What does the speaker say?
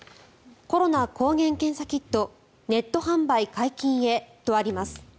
コロナ抗原検査キットネット販売解禁へとあります。